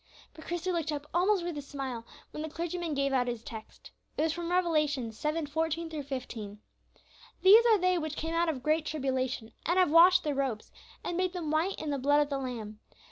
But Christie looked up almost with a smile when the clergyman gave out his text. It was from Revelation 7:14, 15: "These are they which came out of great tribulation, and have washed their robes, and made them white in the blood of the Lamb.